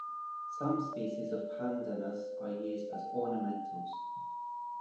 Some species of "Pandanus" are used as ornamentals.